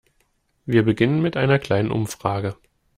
Wir beginnen mit einer kleinen Umfrage.